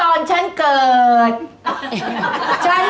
อะไรมั้ยครับ